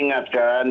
janganlah ada adu adu